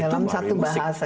dalam satu bahasa